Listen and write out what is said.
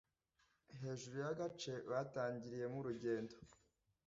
hejuru y’agace batangiriyemo urugendo